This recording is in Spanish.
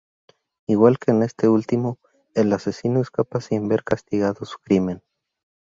Igual que en este último, el asesino escapa sin ver castigado su crimen.